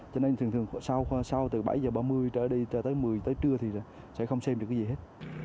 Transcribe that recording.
cho nên thường thường sau từ bảy h ba mươi tới một mươi h tới trưa thì sẽ không xem được cái gì hết